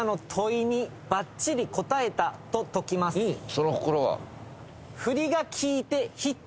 その心は？